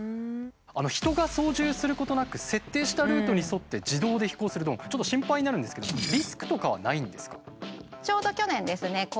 人が操縦することなく設定したルートに沿って自動で飛行するとちょっと心配になるんですけどもリスクとかはないんですか？